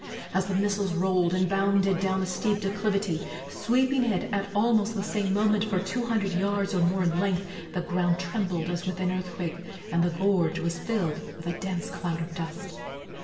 As the missiles rolled and bounded down the steep declivity, sweeping it at almost the same moment for two hundred yards or more in length, the ground trembled as with an earthquake, and the gorge was filled with a dense cloud of dust.